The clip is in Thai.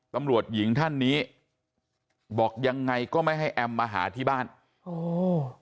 ตำรวจหญิงท่านนี้บอกยังไงก็ไม่ให้แอมมาหาที่บ้านโอ้